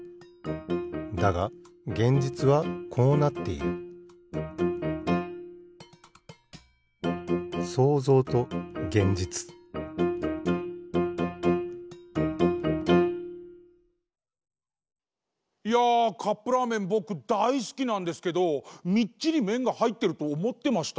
だが現実はこうなっているいやカップラーメンぼくだいすきなんですけどみっちりめんがはいってるとおもってました。